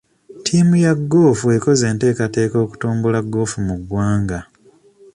Ttiimu ya goofu ekoze enteekateeka okutumbula goofu mu ggwanga.